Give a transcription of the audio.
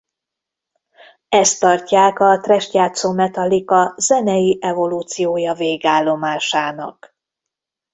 Ezt tartják a thrasht játszó Metallica zenei evolúciója végállomásának.